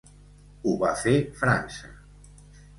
Ho va fer França.